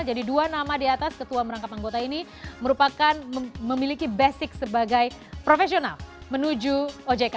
jadi dua nama di atas ketua merangkap anggota ini merupakan memiliki basic sebagai profesional menuju ojk satu